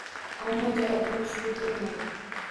Ammo javobini tushunib bo’lmaydi.